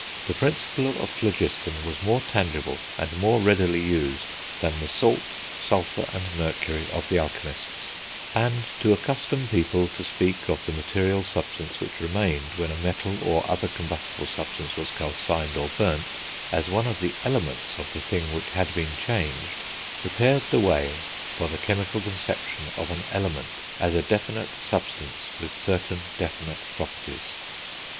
The principle of phlogiston was more tangible, and more readily used, than the Salt, Sulphur, and Mercury of the alchemists; and to accustom people to speak of the material substance which remained when a metal, or other combustible substance, was calcined or burnt, as one of the elements of the thing which had been changed, prepared the way for the chemical conception of an element as a definite substance with certain definite properties.